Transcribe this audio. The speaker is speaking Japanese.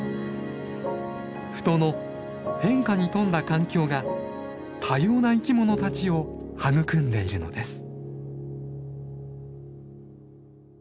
富戸の変化に富んだ環境が多様な生きものたちを育んでいるのです。